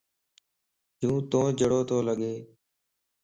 يو تو جھڙو تو لڳ